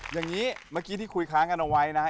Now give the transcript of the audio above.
อย่างนี้เมื่อกี้ที่คุยค้างกันเอาไว้นะฮะ